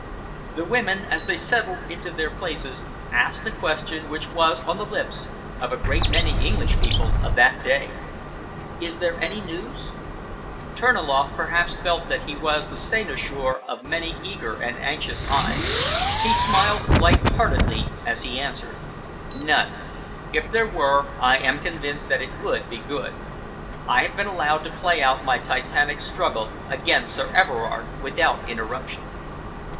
The women, as they settled into their places, asked a question which was on the lips of a great many English people of that day. "Is there any news?" Terniloff perhaps felt that he was the cynosure of many eager and anxious eyes. He smiled light heartedly as he answered: "None. If there were, I am convinced that it would be good. I have been allowed to play out my titanic struggle against Sir Everard without interruption."